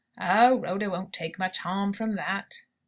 "Oh, Rhoda won't take much harm from that!"